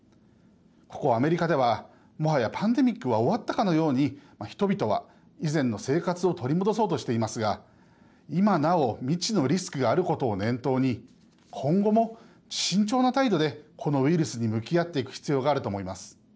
ここアメリカではもはやパンデミックは終わったかのように人々は以前の生活を取り戻そうとしていますが今なお未知のリスクがあることを念頭に今後も慎重な態度でこのウイルスに向き合っていく必要があると思います。